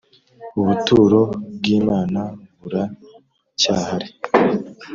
ubuturo bwimana bura cyhari